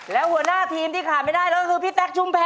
แล้วหัวหน้าทีมที่ขาดไม่ได้เลยก็คือพี่แต๊กชุมแพ